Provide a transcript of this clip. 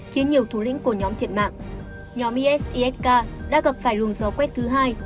khiến nhiều thủ lĩnh của nhóm thiệt mạng nhóm isisk đã gặp phải luồng gió quét thứ hai